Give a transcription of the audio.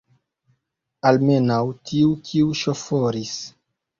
Almenaŭ tiu, kiu ŝoforis!